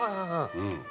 うん！